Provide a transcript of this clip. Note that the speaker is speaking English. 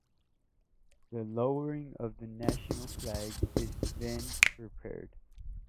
The lowering of the National Flag is then prepared.